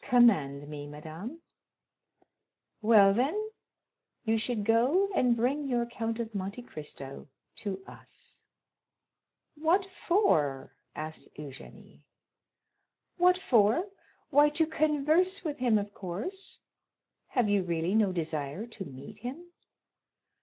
"Command me, madame." "Well, then, you should go and bring your Count of Monte Cristo to us." "What for?" asked Eugénie. "What for? Why, to converse with him, of course. Have you really no desire to meet him?"